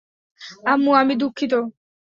আম্মু, আমি দুঃখিত।